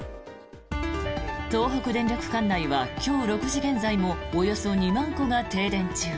東北電力管内は今日６時現在もおよそ２万戸が停電中。